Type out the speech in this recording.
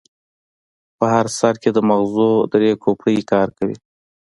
په هر سر کې د ماغزو درې کوپړۍ کار کوي.